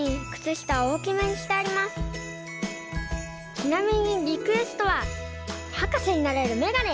ちなみにリクエストははかせになれるメガネ！